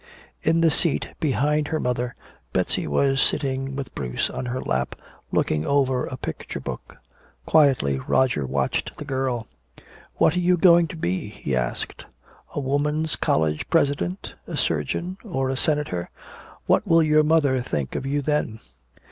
In the seat behind her mother, Betsy was sitting with Bruce in her lap, looking over a picture book. Quietly Roger watched the girl. "What are you going to be?" he asked. "A woman's college president, a surgeon or a senator? And what will your mother think of you then?"